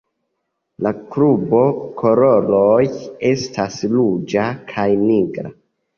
La klubo koloroj estas ruĝa kaj nigra.